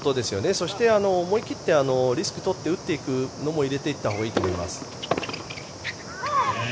そして、思い切ってリスクを取って打っていくのも入れていったほうがいいと思います。